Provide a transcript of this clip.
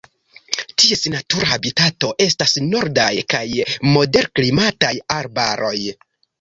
Ties natura habitato estas nordaj kaj moderklimataj arbaroj.